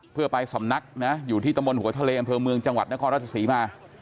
เพื่อไปสำนักนะอยู่ที่ตำบลหัวทะเลอำเภอเมืองจังหวัดนครราชศรีมา